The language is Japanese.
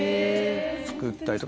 作ったりとか。